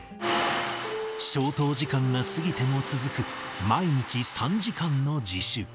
消灯時間が過ぎても続く毎日３時間の自習。